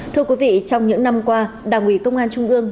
thưa quý vị trong những năm qua đảng ủy công an trung ương